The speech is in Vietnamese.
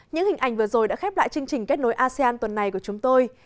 những hình ảnh vừa rồi đã khép lại chương trình kết nối asean tuần này của chúng tôi